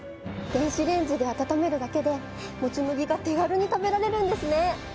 電子レンジで温めるだけでもち麦が手軽に食べられるんですね！